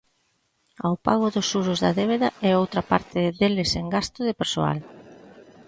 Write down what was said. Ao pago dos xuros da débeda e outra parte deles en gasto de persoal.